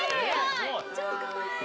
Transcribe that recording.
・かわいい！